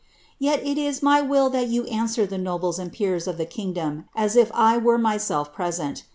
Yet it ia my will thai jrou answer thu nobk i and peerj of tbe km^iloiu i I were myself present.